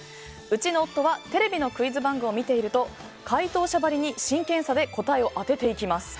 うちの夫はテレビのクイズ番組を見ていると解答者ばりの真剣さで答えを当てていきます。